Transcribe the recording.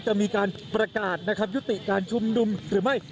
จะมีการประกาศนะครับยุติการชุมนุมหรือไม่